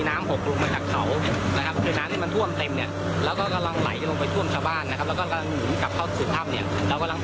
แล้วก็กำลังหยุดกลับเข้าถึงถ้ำเนี่ยเรากำลังเปลี่ยนที่แบบนี้นะครับ